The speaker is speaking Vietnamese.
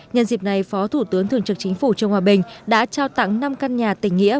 nhân dịp này phó thủ tướng thường trực chính phủ trương hòa bình đã trao tặng năm căn nhà tình nghĩa